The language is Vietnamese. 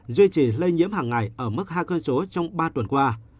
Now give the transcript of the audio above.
duy trì lây nhiễm hàng ngày ở mức hai con số trong ba tuần qua